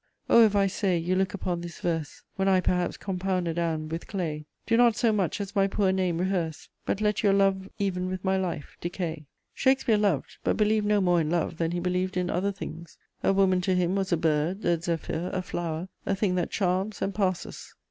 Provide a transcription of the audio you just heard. O, if, I say, you look upon this verse When I perhaps compounded am with clay, Do not so much as my poor name rehearse, But let your love even with my life decay. Shakespeare loved, but believed no more in love than he believed in other things: a woman to him was a bird, a zephyr, a flower, a thing that charms and passes.